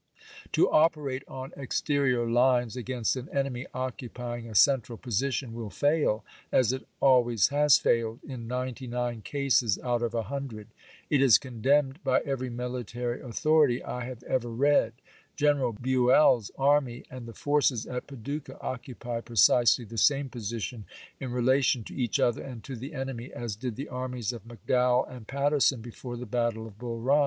To operate on exterior lines against an enemy occupying a cen tral position will fail, as it always has failed, in ninety nine cases out of a hundred. It is con demned by every military authority I have ever LINCOLN DIEECTS COOPEKATION 103 read. General Buell's army and the forces at Pa chap. vi. ducah occupy precisely the same position in rela ^ncom" tion to each other and to the enemy as did the "^^wf'R^^" armies of McDowell and Patterson before the battle pp!^532, 533. of Bull Run."